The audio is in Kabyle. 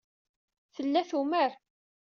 Tella tumar.